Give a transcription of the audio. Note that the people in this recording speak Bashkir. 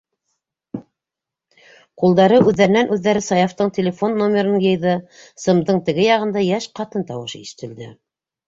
Ҡулдары үҙҙәренән үҙҙәре Саяфтың телефон номерын йыйҙы, сымдың теге яғында йәш ҡатын тауышы ишетелде: